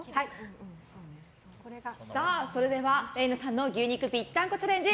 それではＲＥＩＮＡさんの牛肉ぴったんこチャレンジ